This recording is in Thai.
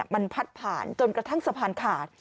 มันพัดผ่านจนกระทั่งสะพานขาด